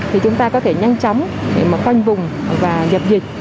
thì chúng ta có thể nhanh chóng để mà khoanh vùng và dập dịch